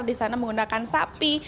karena menggunakan sapi